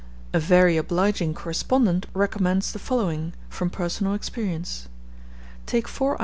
A very obliging correspondent recommends the following, from personal experience: Take 4 oz.